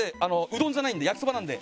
うどんじゃないんで焼きそばなんで。